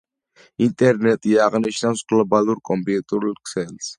ინტერნეტი აღნიშნავს გლობალურ კომპიუტერულ ქსელს